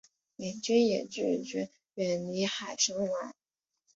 美军也拒绝远离海参崴。